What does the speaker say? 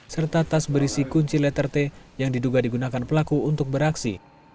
serta tas berisi kunci letter t yang diduga digunakan pelaku untuk beraksi